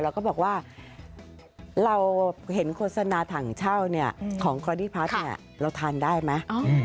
เขาก็บอกว่าเราเห็นโฆษณาถังเช่าเนี่ยของคอร์ดี้พาร์ทเนี่ยเราทานได้ไหม